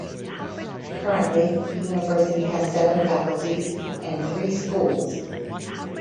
Currently, the university has seven faculties and three schools.